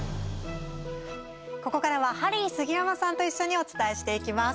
ここからはハリー杉山さんと一緒にお伝えしていきます。